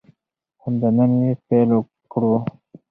همدا نن یې پیل کړو.